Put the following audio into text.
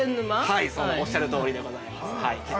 ◆はい、おっしゃるとおりでございます、はい。